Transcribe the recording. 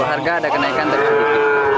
untuk harga ada kenaikan sedikit